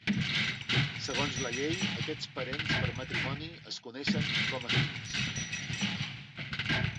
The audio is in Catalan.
Segons la llei, aquests parents per matrimoni es coneixen com a afins.